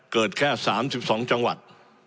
เกิดแค่๓๒จังหวัด